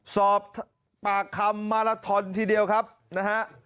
สอบปากคำมาลาทอนทีเดียวครับนะฮะ